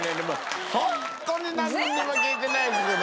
ホントになんにも聞いてないですね。